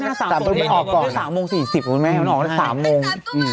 ๓มอง๔๐มั้ยเนี่ยมันออกได้๓มอง